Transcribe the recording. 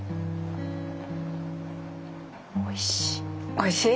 おいしい。